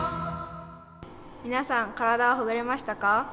皆さん、体はほぐれましたか？